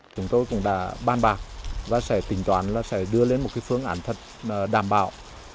chúng tôi cũng đã ban bạc và sẽ tỉnh toán là sẽ đưa lên một phương án thật đảm bảo